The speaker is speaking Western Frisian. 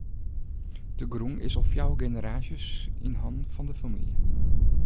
De grûn is al fjouwer generaasjes yn hannen fan de famylje.